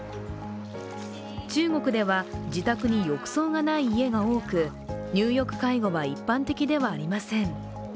中国では自宅に浴槽がない家が多く、入浴介護は、一般的ではありません。